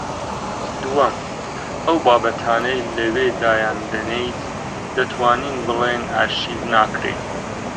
دووەم: ئەو بابەتانەی لەوێ دایان دەنێیت دەتوانین بڵێین ئەرشیف ناکرێن